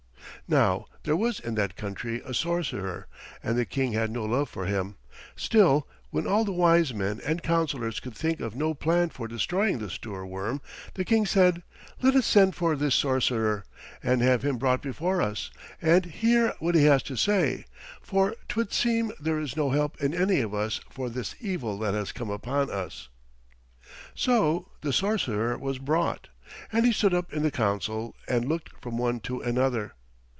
Now there was in that country a sorcerer, and the King had no love for him. Still, when all the wisemen and councillors could think of no plan for destroying the Stoorworm, the King said, "Let us send for this sorcerer, and have him brought before us, and hear what he has to say; for 'twould seem there is no help in any of us for this evil that has come upon us." So the sorcerer was brought, and he stood up in the council and looked from one to another.